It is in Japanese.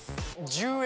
１０円